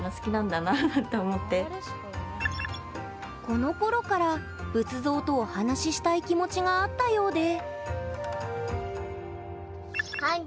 このころから仏像とお話したい気持ちがあったようで。